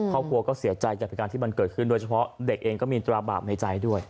ครอบครัวก็เสียใจกับเหตุการณ์ที่มันเกิดขึ้นโดยเฉพาะเด็กเองก็มีตราบาปในใจด้วย